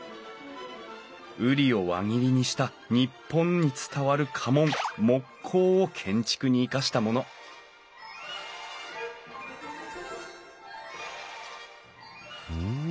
瓜を輪切りにした日本に伝わる家紋木瓜を建築に生かしたものふん。